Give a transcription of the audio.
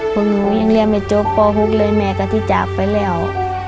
พวกนู้นยังเรียกไม่โจ๊กป่อพวกเลยแม่ก็ที่จากไปแล้ว